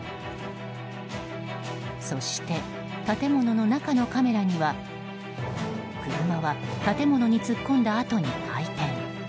そして建物の中のカメラには車は建物に突っ込んだあとに回転。